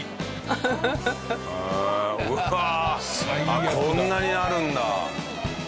あっこんなになるんだ。